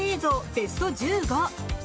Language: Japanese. ベスト１５。